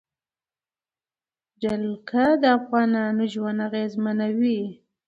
جلګه د افغانانو ژوند اغېزمن کوي.